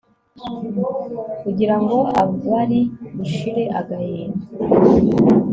Ugirango abari ushire agahinda